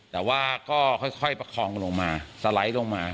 แต่ว่าก็ค่อยประคองกันลงมาสไลด์ลงมา